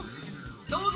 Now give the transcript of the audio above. どうぞ！